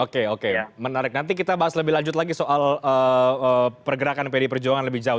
oke oke menarik nanti kita bahas lebih lanjut lagi soal pergerakan pdi perjuangan lebih jauh